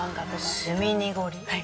はい。